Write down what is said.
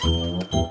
sampai jumpa lagi